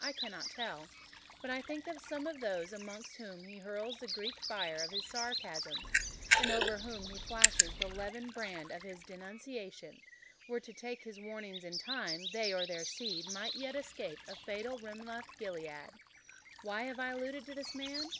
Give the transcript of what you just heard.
I cannot tell; but I think if some of those amongst whom he hurls the Greek fire of his sarcasm, and over whom he flashes the levin brand of his denunciation, were to take his warnings in time—they or their seed might yet escape a fatal Rimoth Gilead. Why have I alluded to this man?